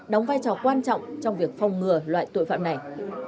đóng vai trò quan trọng trong việc phòng ngừa loại tội phạm này